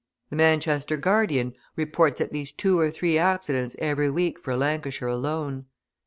The Manchester Guardian reports at least two or three accidents every week for Lancashire alone.